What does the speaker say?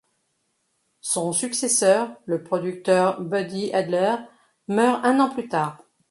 Son successeur, le producteur Buddy Adler, meurt un an plus tard.